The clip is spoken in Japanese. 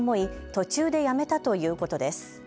途中でやめたということです。